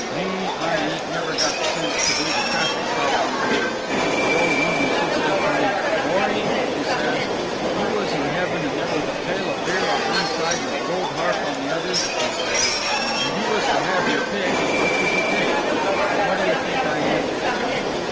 "Me, I ain't never got the sense to do the traffic cop on the booze. The old woman she says to me, 'Mory,' she says, 'if you was in heaven and there was a pail of beer on one side and a gold harp on the other,' she says, 'and you was to have your pick, which would you take?' And what 'd yuh think I answers her?"